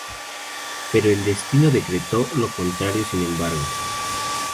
Pero el destino decretó lo contrario sin embargo.